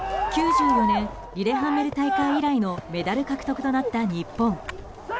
９４年、リレハンメル大会以来のメダル獲得となった日本。